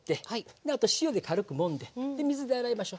あと塩で軽くもんで水で洗いましょう。